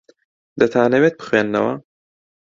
دەتانەوێت بخوێننەوە؟